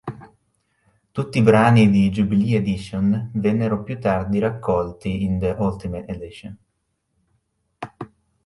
Tutti i brani di "Jubilee Edition" vennero più tardi raccolti in "The Ultimate Edition".